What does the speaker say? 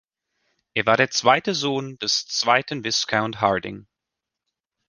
Er war der zweite Sohn des zweiten Viscount Hardinge.